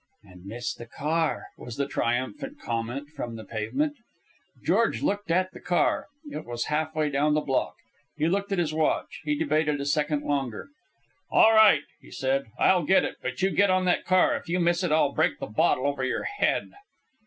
"And miss the car," was the triumphant comment from the pavement. George looked at the car. It was halfway down the block. He looked at his watch. He debated a second longer. "All right," he said. "I'll get it. But you get on that car. If you miss it, I'll break the bottle over your head."